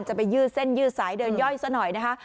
ไปยืดเส้นยืดสายเดินย่อยซะหน่อยนะคะ